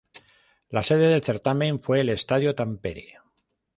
La sede del certamen fue el Estadio Tampere.